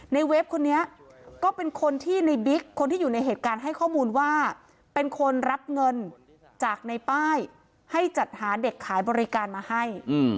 ในเว็บคนนี้ก็เป็นคนที่ในบิ๊กผู้รับเงินงานจากในป้ายให้จัดหาเด็กขายบริการให้